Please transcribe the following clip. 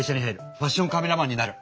ファッションカメラマンになる！